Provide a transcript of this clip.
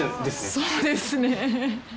そうですね